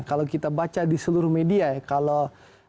kalau kita baca di seluruh media ya kalau